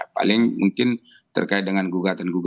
paling mungkin terkait dengan gugatan gugatan